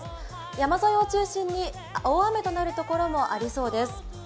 山沿いを中心に大雨となる所もありそうです。